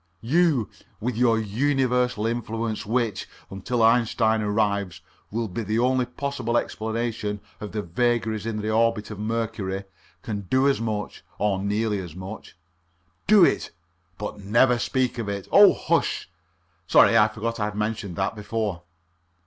You with your universal influence which until Einstein arrives will be the only possible explanation of the vagaries in the orbit of Mercury, can do as much, or nearly as much. Do it. But never speak of it. Oh, hush! (Sorry I forgot I'd mentioned that before.)